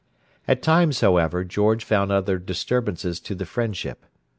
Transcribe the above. At times, however, George found other disturbances to the friendship.